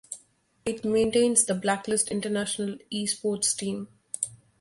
It maintains the Blacklist International esports team.